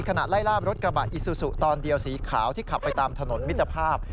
ขณะไล่ล่ารถกระบะอิซูซูตอนเดียวสีขาวที่ขับไปตามถนนมิตรภาพ